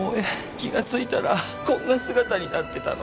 気がついたらこんな姿になってたの。